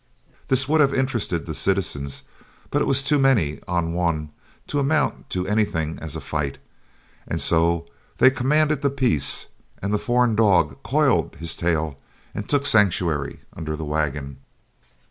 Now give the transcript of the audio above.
This would have interested the citizens but it was too many on one to amount to anything as a fight, and so they commanded the peace and the foreign dog coiled his tail and took sanctuary under the wagon.